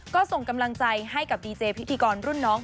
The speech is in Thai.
ก็ส่งกำลังใจให้กับดีเจพิธีกรรุ่นน้อง